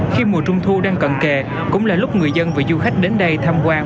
khi mùa trung thu đang cận kề cũng là lúc người dân và du khách đến đây tham quan